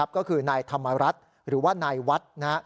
ก็คือนายธรรมรัฐหรือว่านายวัด